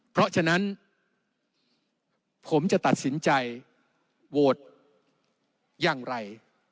เพราะฉะนั้นผมจะตัดสินใจโหวตอย่างไร